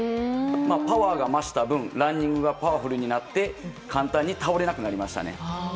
パワーが増した分ランニングがパワフルになって簡単に倒れなくなりましたね。